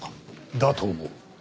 だと思う。